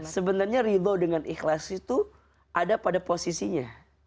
sebenarnya ridho dengan ikhlas itu ada pada posisinya